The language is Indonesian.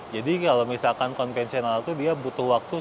jadi kalau misalnya kita mau membuat uap panas bumi kita bisa membuat uap panas bumi